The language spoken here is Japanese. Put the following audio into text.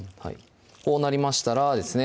こうなりましたらですね